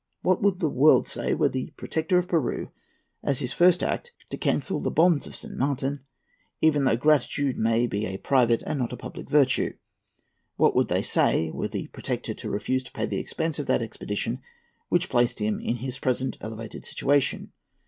What would the world say, were the Protector of Peru, as his first act, to cancel the bonds of San Martin, even though gratitude may be a private and not a public virtue? What would they say, were the Protector to refuse to pay the expense of that expedition which placed him in his present elevated situation?